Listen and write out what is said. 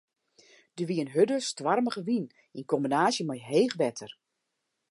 Der wie in hurde, stoarmige wyn yn kombinaasje mei heech wetter.